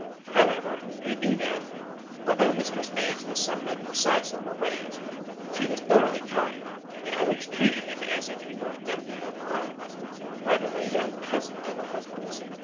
However, he knew that, although Mistress Beggs was somewhat precise in her ways, she was thoroughly kind; and always treated him as if he were a nephew of her own, rather than a young cousin of her husband's.